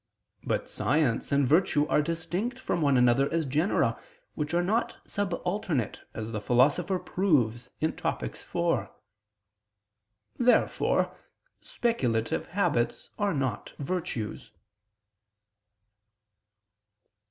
But science and virtue are distinct from one another as genera which are not subalternate, as the Philosopher proves in Topic. iv. Therefore speculative habits are not virtues.